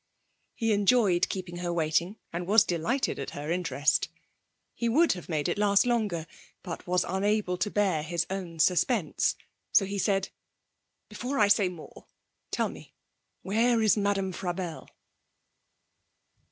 He enjoyed keeping her waiting, and was delighted at her interest. He would have made it last longer, but was unable to bear his own suspense; so he said: 'Before I say any more, tell me: where is Madame Frabelle?'